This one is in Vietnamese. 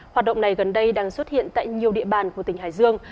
hoạt động này gần đây đang xuất hiện tại nhiều địa bàn của tỉnh hải dương